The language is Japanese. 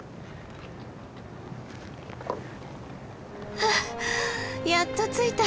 ふうやっと着いた。